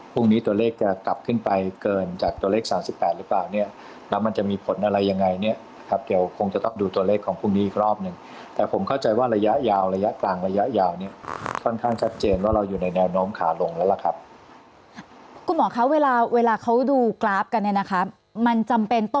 พรุ่งนี้ตัวเลขจะกลับขึ้นไปเกินจากตัวเลขสามสิบแปดหรือเปล่าเนี่ยแล้วมันจะมีผลอะไรยังไงเนี่ยครับเดี๋ยวคงจะต้องดูตัวเลขของพรุ่งนี้อีกรอบหนึ่งแต่ผมเข้าใจว่าระยะยาวระยะกลางระยะยาวเนี่ยค่อนข้างชัดเจนว่าเราอยู่ในแนวโน้มขาลงแล้วล่ะครับคุณหมอคะเวลาเวลาเขาดูกราฟกันเนี่ยนะคะมันจำเป็นต